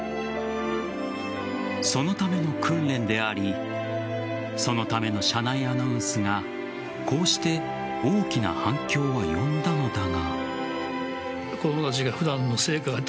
そのための訓練でありそのための車内アナウンスがこうして大きな反響を呼んだのだが。